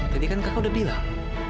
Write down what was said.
tadi kan kakak udah bilang